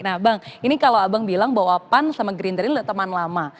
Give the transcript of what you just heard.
nah bang ini kalau abang bilang bahwa pan sama gerindra ini teman lama